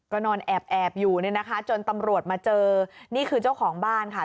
ก็นอนแอบแอบอยู่เนี่ยนะคะจนตำรวจมาเจอนี่คือเจ้าของบ้านค่ะ